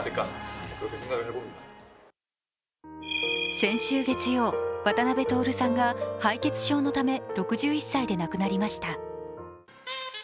先週月曜、渡辺徹さんが敗血症のため６１歳で亡くなりました。